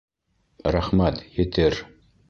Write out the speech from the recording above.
Рәхмәт, етер